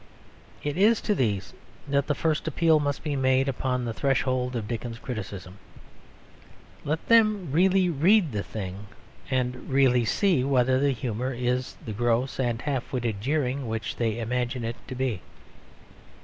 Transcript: It is to these that the first appeal must be made upon the threshold of Dickens criticism. Let them really read the thing and really see whether the humour is the gross and half witted jeering which they imagine it to be.